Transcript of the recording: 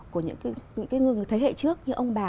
của những cái thế hệ trước như ông bà